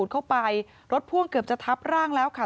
เข้าไปรถพ่วงเกือบจะทับร่างแล้วค่ะ